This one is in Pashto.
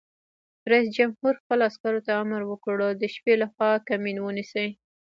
رئیس جمهور خپلو عسکرو ته امر وکړ؛ د شپې لخوا کمین ونیسئ!